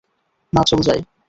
না চল যাই।